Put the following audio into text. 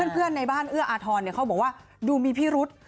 ในบ้านเอื้ออาทรเขาบอกว่าดูมีพิรุษ